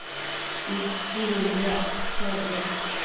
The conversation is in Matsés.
Isquidën bëac cho-choec nec